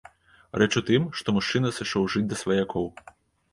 Рэч у тым, што мужчына сышоў жыць да сваякоў.